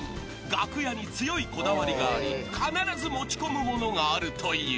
楽屋に強いこだわりがあり必ず持ち込むものがあるという］